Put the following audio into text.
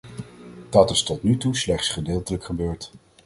Dat is tot nu toe slechts gedeeltelijk gebeurd.